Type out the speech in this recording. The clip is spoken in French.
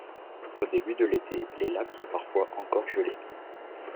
Au début de l'été, les lacs sont parfois encore gelés.